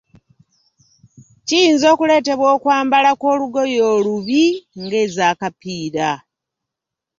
Kiyinza okuleetebwa okwambala kw'olugoye olubi nga ez'akapiira.